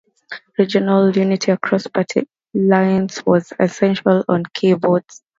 Regional unity across party lines was essential on key votes.